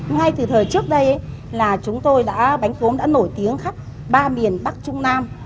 ngay từ thời trước đây là chúng tôi đã bánh gốm đã nổi tiếng khắp ba miền bắc trung nam